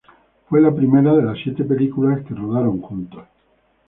Fue la primera de las siete películas que rodaron juntos.